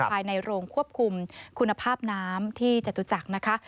ภายในโรงควบคุมคุณภาพน้ำที่จตุจักรนะคะ